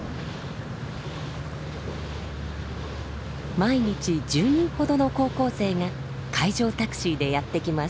毎日１０人ほどの高校生が海上タクシーでやって来ます。